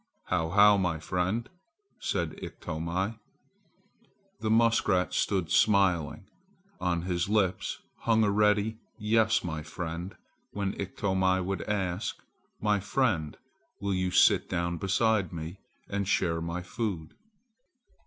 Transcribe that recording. How, how, my friend!" said Iktomi. The muskrat stood smiling. On his lips hung a ready "Yes, my friend," when Iktomi would ask, "My friend, will you sit down beside me and share my food?"